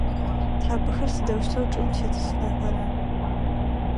Тхьапэхэр сыдэущтэу чӏым тетӏысхьэхэра?